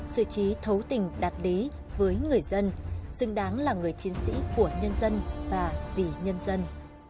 sử trí thấu tình đạt đế với người dân dưng đáng là người chiến sĩ của nhân dân và vì nhân dân